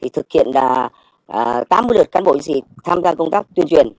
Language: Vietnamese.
thực hiện tám mươi lượt cán bộ sĩ tham gia công tác tuyên truyền